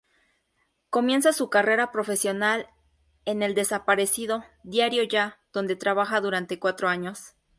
Comienza su carrera profesional en el desaparecido "Diario Ya", donde trabaja durante cuatro años.